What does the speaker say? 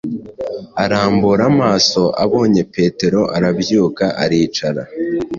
Arambura amaso, abonye Petero, arabyuka aricara”